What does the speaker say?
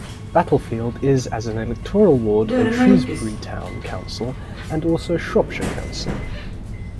Battlefield is as an electoral ward of Shrewsbury Town Council and also Shropshire Council.